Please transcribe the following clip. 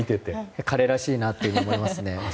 彼らしいなと思いますね。